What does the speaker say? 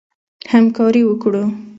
همکاري وکړو.